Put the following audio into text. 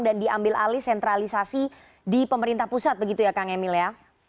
dan diambil alih sentralisasi di pemerintah pusat begitu ya kang emil ya